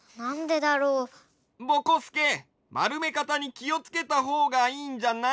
ぼこすけまるめかたにきをつけたほうがいいんじゃない？